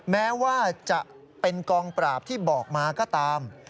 แม้ว่าจะเป็นกองปราบที่บอกมาก็ตาม